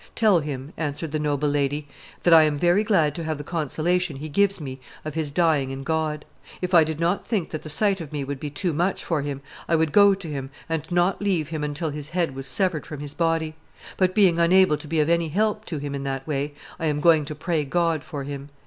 "Tell him," answered the noble lady, that I am very glad to have the consolation he gives me of, his dying in God; if I did not think that the sight of me would be too much for him, I would go to him and not leave him until his head was severed from his body; but, being unable to be of any help to him in that way, I am going to pray God for him."